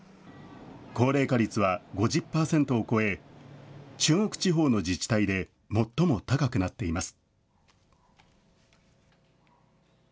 高齢化率は５０％を超え、中国地方の自治体で最も高くなっています。